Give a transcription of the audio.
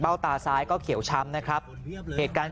ตาซ้ายก็เขียวช้ำนะครับเหตุการณ์